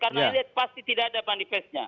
karena lihat pasti tidak ada manifestnya